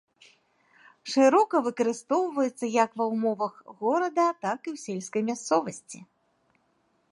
Шырока выкарыстоўваецца як ва ўмовах горада, так і ў сельскай мясцовасці.